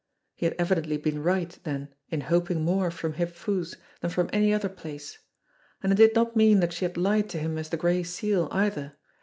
He had evidently been right then in hoping more from Hip Foo's than from any other place. And it did not mean that she had lied to him as the Gray Seal eifher.